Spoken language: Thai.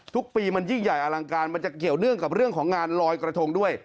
ทุกปีมันยิ่งใหญ่อลังการมันจะเกี่ยวเนื่องกับเรื่องของงานลอยกระทงด้วย